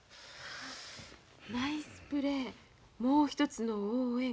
「ナイスプレーもう一つの応援